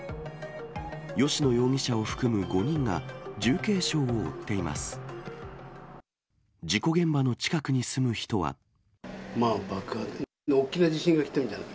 吉野容疑者を含む５人が重軽傷を負っています。